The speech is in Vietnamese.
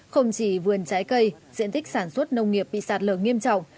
không chỉ vườn trái cây diện tích sản xuất nông nghiệp bị sạt lở nghiêm trọng